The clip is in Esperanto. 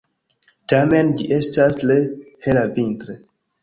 Tamen ĝi estas tre hela vintre.